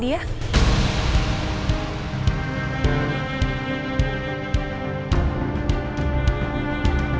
dia itu orang yang ngeselin